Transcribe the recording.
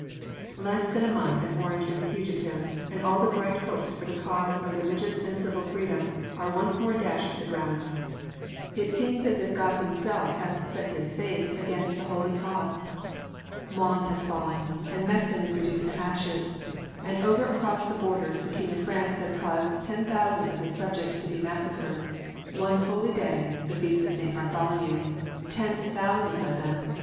Less than a month and Orange is a fugitive, and all the bright hopes for the cause of religious and civil freedom are once more dashed to the ground. It seems as if God Himself hath set His face against the holy cause! Mons has fallen and Mechlin is reduced to ashes, and over across the borders the King of France has caused ten thousand of his subjects to be massacred one holy day, the feast of St. Bartholomew ten thousand of them!